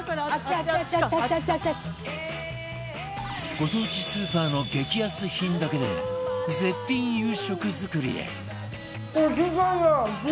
ご当地スーパーの激安品だけで絶品夕食作り！